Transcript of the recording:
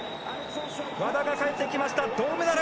和田がかえってきました銅メダル。